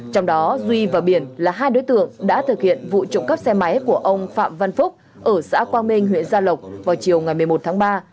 trong đó duy và biển là hai đối tượng đã thực hiện vụ trộm cắp xe máy của ông phạm văn phúc ở xã quang minh huyện gia lộc vào chiều ngày một mươi một tháng ba